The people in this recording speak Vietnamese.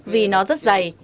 vì nó rất dày